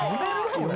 これ。